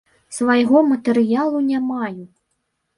Свайго матэрыялу не маю.